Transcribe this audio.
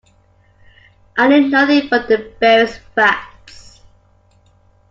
I knew nothing but the barest facts.